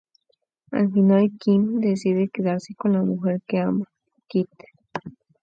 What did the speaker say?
Al final Kim decide quedarse con la mujer que ama, Kit.